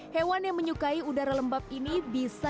hewan yang menyukai udara lembab ini bisa